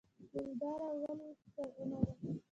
ګلدره ولې زرغونه ده؟